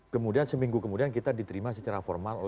kemudian seminggu kemudian kita diterima secara formal oleh pdi perjuangan